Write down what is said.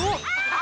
あ